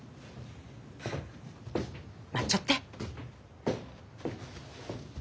待っちょって。